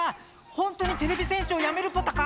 ほんとにてれび戦士をやめるポタか？